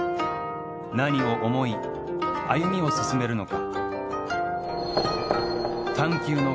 何を思い歩みを進めるのか。